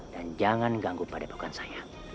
dan jangan ganggu pada pakaian saya